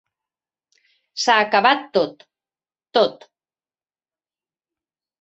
S'ha acabat tot, tot.